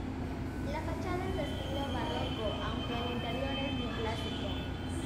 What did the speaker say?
La fachada es de estilo barroco aunque el interior es neoclásico.